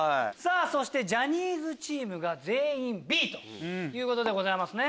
そしてジャニーズチームが全員Ｂということでございます。